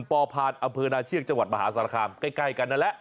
ปพอเชียร์จังหวัดมหาสารคามใกล้กันนั่นแหละ